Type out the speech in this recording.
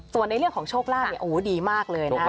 ส่วนในเรื่องของโชคลาภดีมากเลยนะ